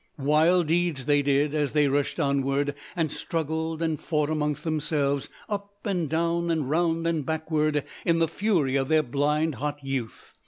"Wild deeds they did, as they rushed onward, and struggled and fought among themselves, up and down, and round and backward in the fury of their blind hot youth.